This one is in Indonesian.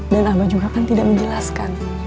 dan abah juga kan tidak menjelaskan